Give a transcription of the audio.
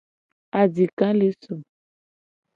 Adika le som.